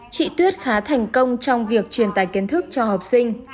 chị tuyết khá thành công trong việc truyền tài kiến thức cho học sinh